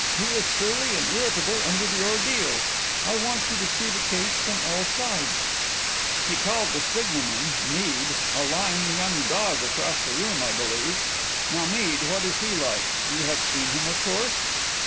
He was surly and irritable under the ordeal. I want you to see the case from all sides." "He called the signalman Mead a 'lying young dog,' across the room, I believe. Now, Mead, what is he like? You have seen him, of course?"